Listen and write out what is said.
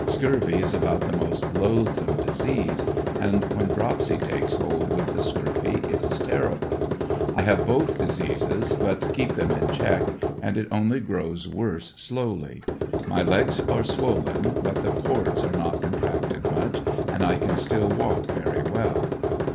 Scurvy is about the most loathsome disease, and when dropsy takes hold with the scurvy, it is terrible, I have both dis eases but keep them in check, and it only grows worse slowly. My legs are swollen, but the cords are not contracted much, and I can still walk very w^ell.